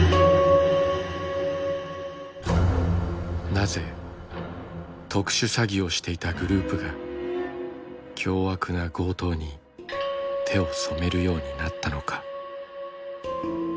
なぜ特殊詐欺をしていたグループが凶悪な強盗に手を染めるようになったのか。